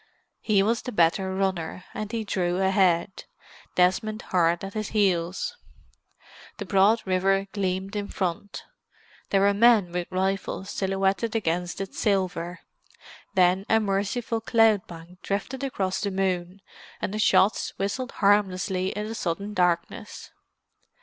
He was the better runner, and he drew ahead, Desmond hard at his heels. The broad river gleamed in front—there were men with rifles silhouetted against its silver. Then a merciful cloud bank drifted across the moon, and the shots whistled harmlessly in the sudden darkness.